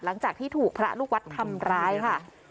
หลังจากที่ถูกพระลูกวัดทำร้ายค่ะ